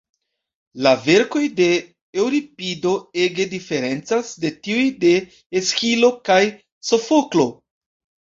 La verkoj de Eŭripido ege diferencas de tiuj de Esĥilo kaj Sofoklo.